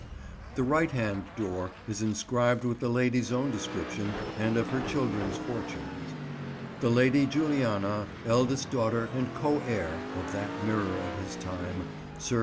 The right hand door is inscribed with the lady's own description, and of her children's fortunes— "The Lady Juliana, eldest daughter and co heire (of that mirror of his time) Sr.